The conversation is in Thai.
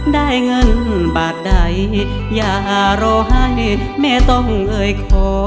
ได้เงินบาทใดอย่ารอให้แม่ต้องเอ่ยขอ